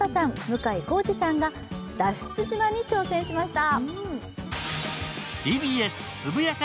向井康二さんが脱出島に挑戦しました。